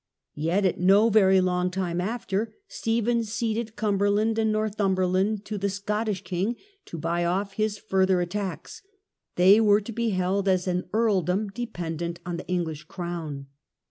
Yet at no very long time after, Stephen ceded Cumberland and Northumberland to the Scottish king to buy off his further attacks. They were to be held as an earldom dependent on the English crown.